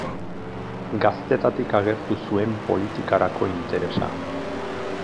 Gaztetatik agertu zuen politikarako interesa.